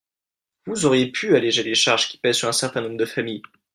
Vous auriez pu alléger les charges qui pèsent sur un certain nombre de familles.